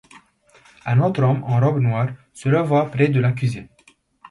Un autre homme en robe noire se leva près de l’accusée.